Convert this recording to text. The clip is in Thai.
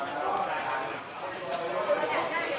ก็อยากได้เลย